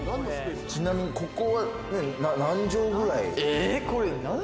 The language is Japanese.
ちなみに、ここは何畳ぐらい？